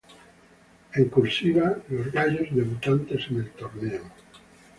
En "Cursiva" los gallos debutantes en el torneo.